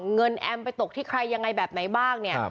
แอมไปตกที่ใครยังไงแบบไหนบ้างเนี่ย